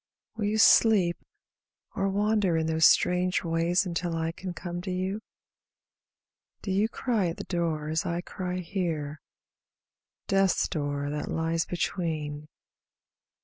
Will you sleep, or wander in those strange ways Until I can come to you? Do you cry at the door as I cry here, Death's door that lies between?